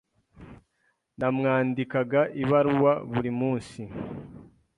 Namwandikaga ibaruwa buri munsi.